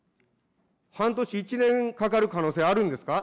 半年、１年かかる可能性あるんですか。